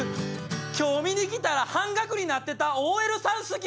今日見に来たら半額になってたＯＬさん好き」